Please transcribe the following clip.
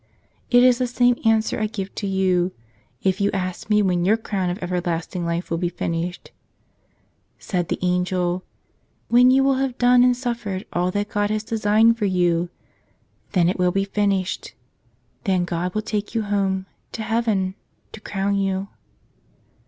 It is the same answer I give to you if you ask me when your crown of everlasting life will be finished. Said the angel : "When you will have done and suffered all that God has designed for you. Then it will be finished ; then God will take you home — to heaven — to crown you."